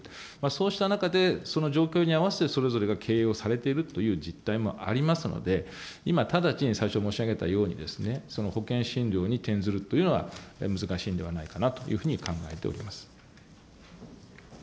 そうした中で、その状況に合わせてそれぞれが経営をされているという実態もありますので、今、直ちに最初申し上げたようにですね、その保険診療に転ずるというのは難しいんではないかなというふうに考えております。